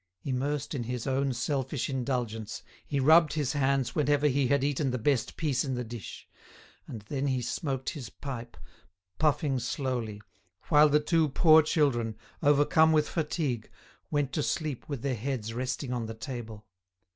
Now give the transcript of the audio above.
Immersed in his own selfish indulgence, he rubbed his hands whenever he had eaten the best piece in the dish; and then he smoked his pipe, puffing slowly, while the two poor children, overcome with fatigue, went to sleep with their heads resting on the table.